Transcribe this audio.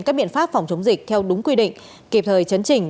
các biện pháp phòng chống dịch theo đúng quy định kịp thời chấn trình